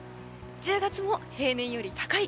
１０月も平年より高い。